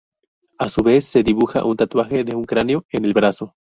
A su vez, se dibuja un tatuaje de un cráneo en el brazo.